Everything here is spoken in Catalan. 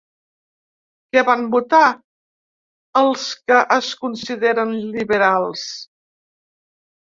Què van votar els que es consideren liberals?